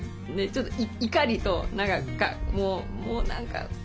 ちょっと怒りともう何か